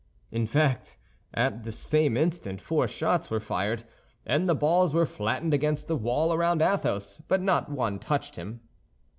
In fact, at the same instant four shots were fired, and the balls were flattened against the wall around Athos, but not one touched him.